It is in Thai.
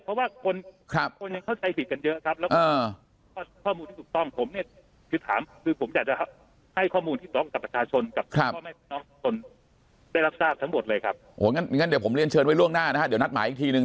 อย่างนั้นเดี๋ยวผมเรียนเชิญไว้ล่วงหน้านะครับเดี๋ยวนัดหมายอีกทีนึง